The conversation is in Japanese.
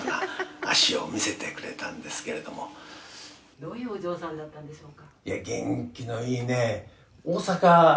「どういうお嬢さんだったんでしょうか？」